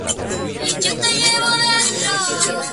Destaca por su amplio punto de vista sobre el mundo.